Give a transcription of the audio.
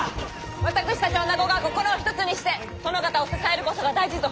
私たちおなごが心を一つにして殿方を支えるこそが大事ぞ！